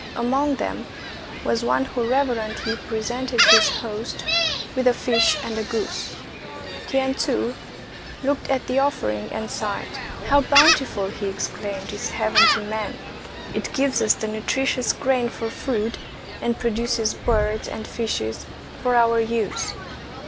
Among them was one who reverently presented his host with a fish and a goose. T'ien Tsu looked at the offering and sighed. " How bountiful," he exclaimed, " is Heaven to man! It gives us the nutritious grain for food, and produces birds and fishes for our use."